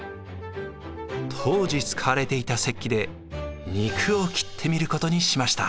当時使われていた石器で肉を切ってみることにしました。